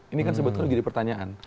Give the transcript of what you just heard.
ini kan sebetulnya jadi pertanyaan